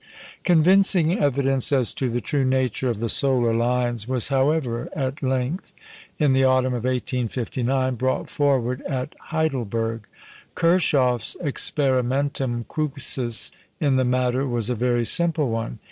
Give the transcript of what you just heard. Convincing evidence as to the true nature of the solar lines was however at length, in the autumn of 1859, brought forward at Heidelburg. Kirchhoff's experimentum crucis in the matter was a very simple one.